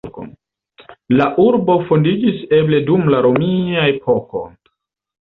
La urbo fondiĝis eble dum la romia epoko.